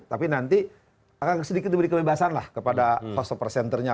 tapi nanti akan sedikit diberi kebebasan lah kepada host of presenternya